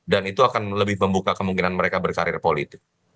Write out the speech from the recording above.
dan itu akan lebih membuka kemungkinan mereka berkarir politik